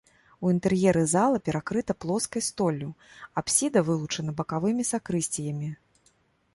У інтэр'еры зала перакрыта плоскай столлю, апсіда вылучана бакавымі сакрысціямі.